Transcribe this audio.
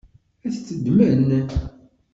Ad t-ddmen?